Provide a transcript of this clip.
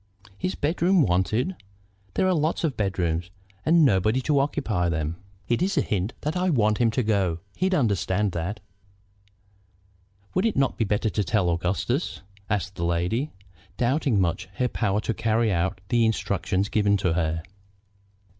"His bedroom wanted! There are lots of bedrooms, and nobody to occupy them." "It's a hint that I want him to go; he'd understand that." "Would it not be better to tell Augustus?" asked the lady, doubting much her power to carry out the instructions given to her.